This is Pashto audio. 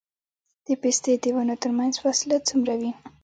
د پستې د ونو ترمنځ فاصله څومره وي؟